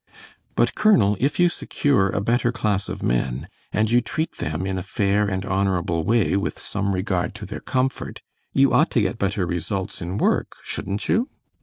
"But, Colonel, if you secure a better class of men, and you treat them in a fair and honorable way with some regard to their comfort you ought to get better results in work, shouldn't you?"